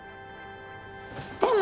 でも。